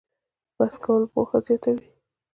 بحث کول پوهه زیاتوي؟